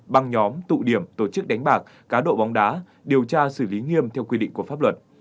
băng nhóm tụ điểm tổ chức đánh bạc cá độ bóng đá điều tra xử lý nghiêm theo quy định của pháp luật